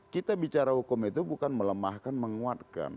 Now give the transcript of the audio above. kita bicara hukum itu bukan melemahkan menguatkan